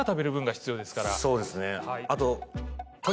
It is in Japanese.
そうですね。